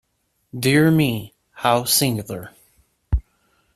Dear me, how singular!